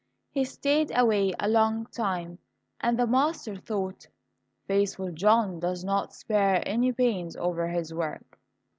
He stayed away a long time, and the master thought, "Faithful John does not spare any pains over his work!"